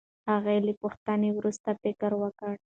هغه له پوښتنې وروسته فکر وکړ.